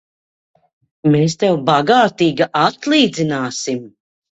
Mēs tev bagātīgi atlīdzināsim!